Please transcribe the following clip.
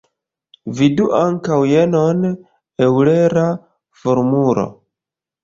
Vidu ankaŭ jenon: Eŭlera formulo.